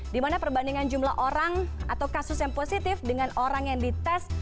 di mana perbandingan jumlah orang atau kasus yang positif dengan orang yang dites